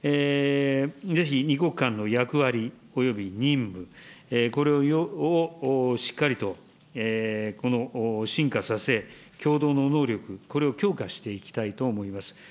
ぜひ２国間の役割および任務、これをしっかりと、このしんかさせ、共同の能力、これを強化していきたいと思います。